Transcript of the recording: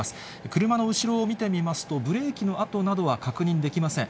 車の後ろを見てみますと、ブレーキの跡などは確認できません。